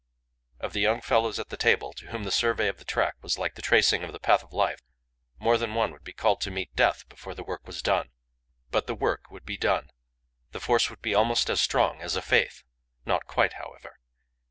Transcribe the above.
Of the young fellows at the table, to whom the survey of the track was like the tracing of the path of life, more than one would be called to meet death before the work was done. But the work would be done: the force would be almost as strong as a faith. Not quite, however.